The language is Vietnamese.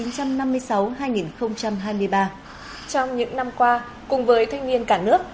trong những năm qua cùng với thanh niên cả nước